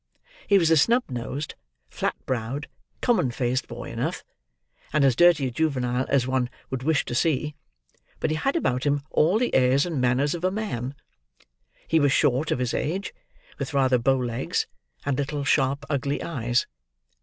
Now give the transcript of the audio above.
He was a snub nosed, flat browed, common faced boy enough; and as dirty a juvenile as one would wish to see; but he had about him all the airs and manners of a man. He was short of his age: with rather bow legs, and little, sharp, ugly eyes.